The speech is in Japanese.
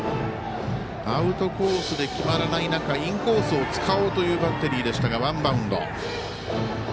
アウトコースで決まらない中インコースを使おうというバッテリーでしたがワンバウンド。